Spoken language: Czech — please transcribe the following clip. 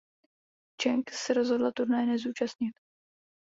Čeng se rozhodla turnaje nezúčastnit.